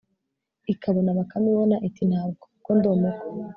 ikabona bakame ibona. iti nta bwo, kuko ndi umukwe